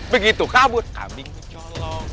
begitu kabur kambing gue colok